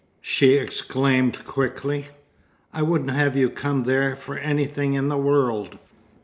she exclaimed quickly. "I wouldn't have you come there for anything in the world.